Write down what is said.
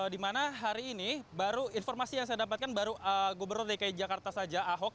di mana hari ini baru informasi yang saya dapatkan baru gubernur dki jakarta saja ahok